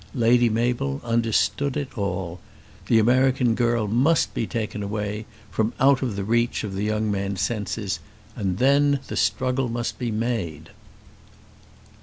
Lady Mabel understood it all. The American girl must be taken away, from out of the reach of the young man's senses, and then the struggle must be made.